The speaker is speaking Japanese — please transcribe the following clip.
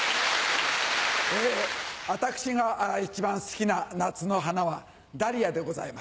私が一番好きな夏の花はダリアでございます。